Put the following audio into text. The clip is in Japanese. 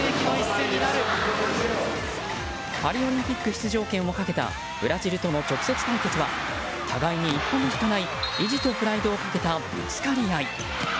パリオリンピック出場権をかけたブラジルとの直接対決は互いに一歩も引かない意地とプライドをかけたぶつかり合い。